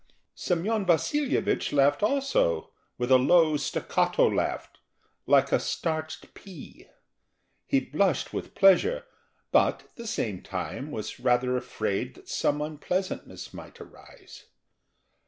Semyon Vasilyevich laughed also, with a low staccato laugh, like a parched pea; he blushed with pleasure, but at the same time was rather afraid that some unpleasantness might arise.